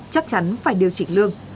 chắc chắn phải điều chỉnh lương